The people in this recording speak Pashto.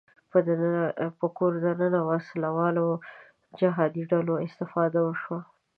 په کور دننه وسله والو جهادي ډلو استفاده وشوه